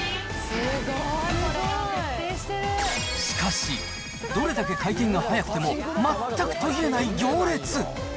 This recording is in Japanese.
しかし、どれだけ回転が速くても、全く途切れない行列。